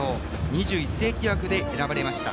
２１世紀枠で選ばれました。